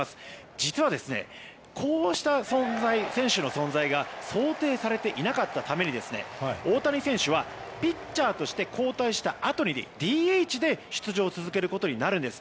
実は、こうした選手の存在が想定されていなかったために大谷選手はピッチャーとして交代したあとにＤＨで出場を続けることになるんです。